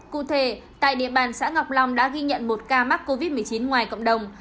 cụ thể tại địa bàn xã ngọc long đã ghi nhận một ca mắc covid một mươi chín ngoài cộng đồng